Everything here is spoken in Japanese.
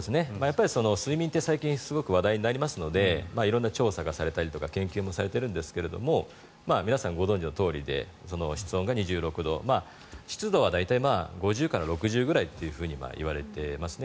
睡眠ってすごく最近話題になりますので色んな調査がされたりとか研究もされているんですが皆さん、ご存じのとおりで室温が２６度湿度は大体５０から６０ぐらいといわれていますね。